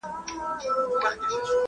زه پرون د کتابتوننۍ سره خبري وکړې!!